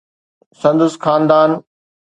سندس خاندان